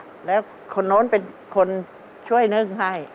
ตัวเลือกที่สองวนทางซ้าย